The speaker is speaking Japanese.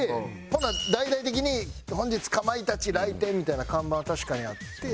ほんなら大々的に「本日かまいたち来店」みたいな看板は確かにあって。